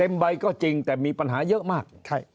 ใบก็จริงแต่มีปัญหาเยอะมาก